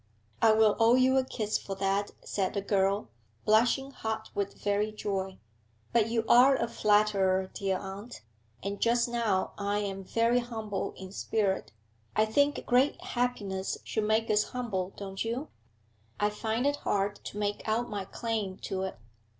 'I will owe you a kiss for that,' said the girl, blushing hot with very joy. 'But you are a flatterer, dear aunt, and just now I am very humble in spirit. I think great happiness should make us humble, don't you? I find it hard to make out my claim to it.'